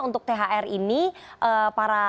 untuk thr ini para